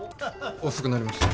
遅くなりました。